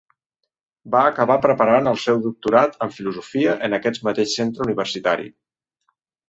Va acabar preparant el seu doctorat en Filosofia en aquest mateix centre universitari.